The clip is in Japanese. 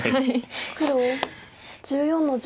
黒１４の十四。